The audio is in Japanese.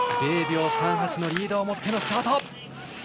０秒３８のリードを持ってスタート。